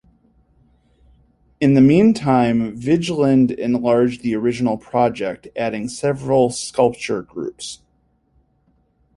In the meantime Vigeland enlarged the original project, adding several sculpture groups.